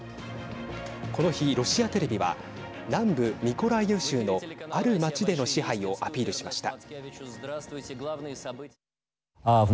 この日、ロシアテレビは南部ミコライウ州のある街での支配をアピールしました。